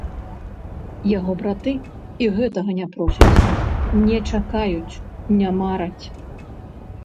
Яго браты і гэтага не просяць, не чакаюць, не мараць.